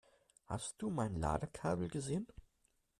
Hast du mein Ladekabel gesehen?